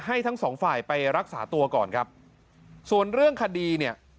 ทั้งสองฝ่ายไปรักษาตัวก่อนครับส่วนเรื่องคดีเนี่ย